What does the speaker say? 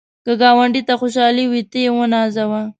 که ګاونډي ته خوشحالي وي، ته یې ونازوه